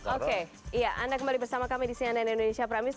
oke anda kembali bersama kami di cnn indonesia pramil